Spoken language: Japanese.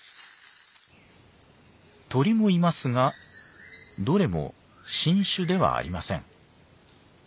鳥もいますがどれも新種ではありません。